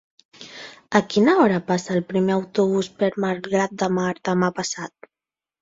A quina hora passa el primer autobús per Malgrat de Mar demà passat?